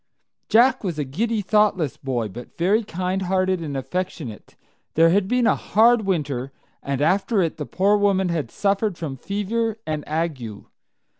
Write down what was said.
Jack was a giddy, thoughtless boy, but very kindhearted and affectionate. There had been a hard winter, and after it the poor woman had suffered from fever and ague.